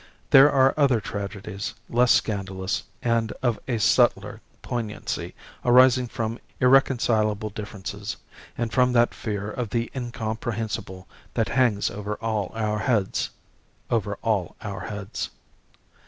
There are other tragedies, less scandalous and of a subtler poignancy, arising from irreconcilable differences and from that fear of the Incomprehensible that hangs over all our heads over all our heads...."